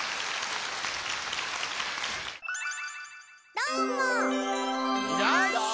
どーも！